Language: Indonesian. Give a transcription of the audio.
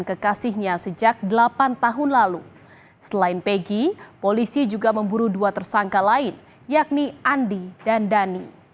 kekasihnya sejak delapan tahun lalu selain pegi polisi juga memburu dua tersangka lain yakni andi dan dhani